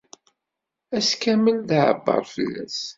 Ass kamel, d aɛebber fell-as.